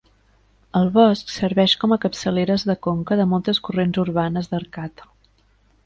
El bosc serveix com a capçaleres de conca de moltes corrents urbanes d"Arcata.